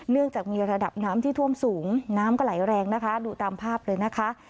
จากมีระดับน้ำที่ท่วมสูงน้ำก็ไหลแรงนะคะดูตามภาพเลยนะคะ